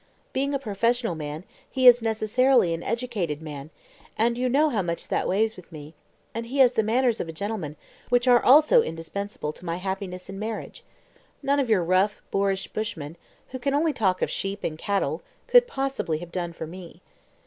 Being a professional man, he is necessarily an educated man, and you know how much that weighs with me; and he has the manners of a gentleman, which are also indispensable to my happiness in marriage. None of your rough, boorish bushmen, who can only talk of sheep and cattle, could possibly have done for me.